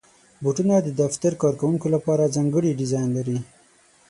بوټونه د دفتر کارکوونکو لپاره ځانګړي ډیزاین لري.